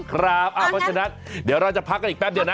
เพราะฉะนั้นเดี๋ยวเราจะพักกันอีกแป๊บเดียวนะ